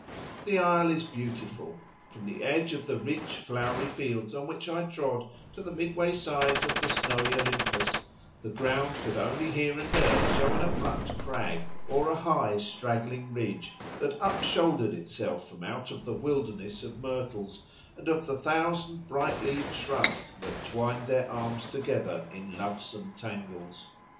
The isle is beautiful. From the edge of the rich, flowery fields on which I trod to the midway sides of the snowy Olympus, the ground could only here and there show an abrupt crag, or a high straggling ridge that up shouldered itself from out of the wilderness of myrtles, and of the thousand bright leaved shrubs that twined their arms together in lovesome tangles.